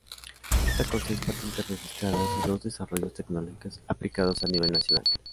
Cuenta con seis patentes registradas y dos desarrollos tecnológicos aplicados a nivel nacional.